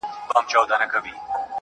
ماجبیني د مهدي حسن آهنګ یم.